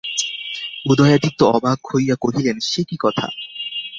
উদয়াদিত্য অবাক হইয়া কহিলেন, সে কী কথা।